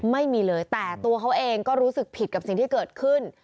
ไม่มีเลยแต่ตัวเขาเองก็รู้สึกผิดกับสิ่งที่เกิดขึ้น